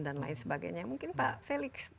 dan lain sebagainya mungkin pak felix